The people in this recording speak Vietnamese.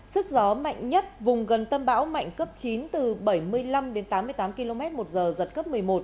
sức gió mạnh nhất vùng gần tâm bão mạnh cấp chín từ bảy mươi năm đến tám mươi tám km một giờ giật cấp một mươi một